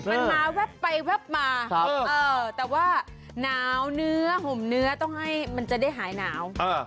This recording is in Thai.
มันมาแวบไปแวบมาแต่ว่าหนาวเนื้อห่มเนื้อต้องให้มันจะได้หายหนาว